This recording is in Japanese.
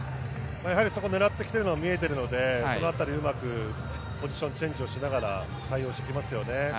狙ってきてるのが見えてるので、そのあたり、うまくポジション、チェンジしながら対応してきますよね。